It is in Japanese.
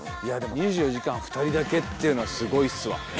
いやでも２４時間２人だけっていうのはすごいっすわ。